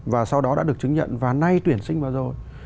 và sau đó đã được chứng nhận và nay tuyển sinh vừa rồi